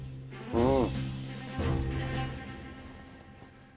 うん。